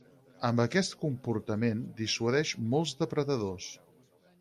Amb aquest comportament dissuadeix molts depredadors.